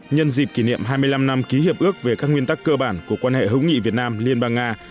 nhân dịp kỷ niệm hai mươi năm năm ký hiệp ước về các nguyên tắc cơ bản của quan hệ hữu nghị việt nam liên bang nga